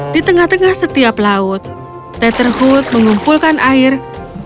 di tengah tengah setiap laut tetherhood mengumpulkan air